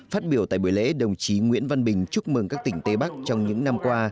phát biểu tại buổi lễ đồng chí nguyễn văn bình chúc mừng các tỉnh tây bắc trong những năm qua